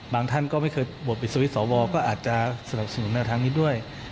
ท่านก็ไม่เคยบวชปิดสวิตช์สวก็อาจจะสนับสนุนในทางนี้ด้วย